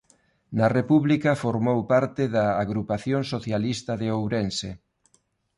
Na República formou parte da Agrupación Socialista de Ourense.